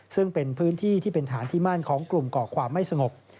ซึ่งเป็นพื้นที่ที่เป็นฐานที่มั่นของกลุ่มก่อความไม่สงบ